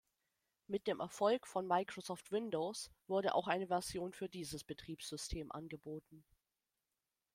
Mit dem Erfolg von Microsoft Windows wurde auch eine Version für dieses Betriebssystem angeboten.